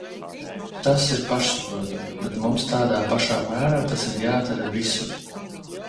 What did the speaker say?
Tas ir pašsaprotami, bet mums tādā pašā mērā tas ir jādara visur.